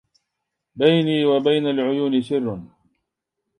بيني وبين العيون سر